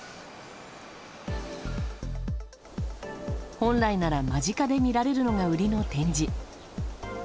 本来なら間近で見られるのが売りの展示。